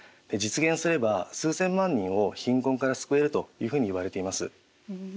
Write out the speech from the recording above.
実現すれば数千万人を貧困から救えるというふうにいわれています。